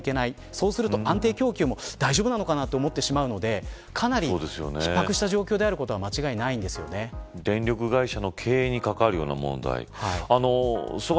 そうすると安定供給も大丈夫なのかなと思ってしまうのでかなりひっ迫した状況なのは電力会社の経営に関わるような問題。